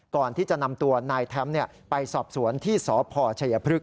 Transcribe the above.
ก่อนที่จะนำตัวนายแท้มไปสอบสวนที่สพชัยพฤกษ